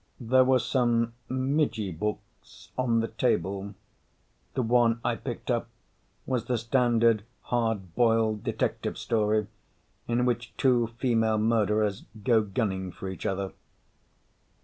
There were some midgie books on the table. The one I picked up was the standard hard boiled detective story in which two female murderers go gunning for each other.